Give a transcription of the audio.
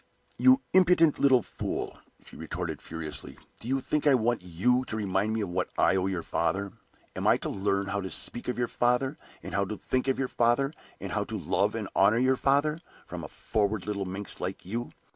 "You impudent little fool!" she retorted, furiously. "Do you think I want you to remind me of what I owe to your father? Am I to learn how to speak of your father, and how to think of your father, and how to love and honor your father, from a forward little minx like you!